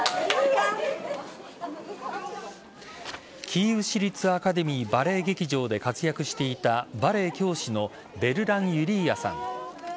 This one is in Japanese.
キーウ市立アカデミーバレエ劇場で活躍していたバレエ教師のベルラン・ユリーアさん。